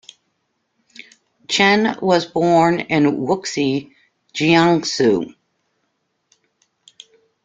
Chen was born in Wuxi, Jiangsu.